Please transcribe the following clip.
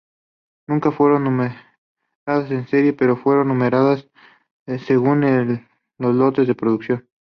Nunca fueron numeradas en serie, pero fueron numeradas según los lotes de producción.